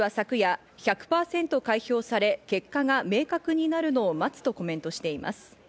マルコス氏は、昨夜１００％開票され、結果が明確になるのを待つとコメントしています。